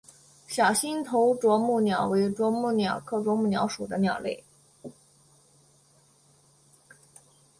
小星头啄木鸟为啄木鸟科啄木鸟属的鸟类。